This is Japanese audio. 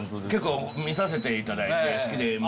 僕結構見させていただいて好きで。